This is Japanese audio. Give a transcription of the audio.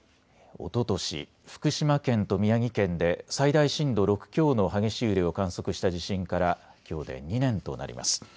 おととし福島県と宮城県で最大震度６強の激しい揺れを観測した地震からきょうで２年となります。